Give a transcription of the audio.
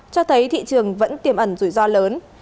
cho thấy thị trường vẫn tiềm ẩn rủi ro lớn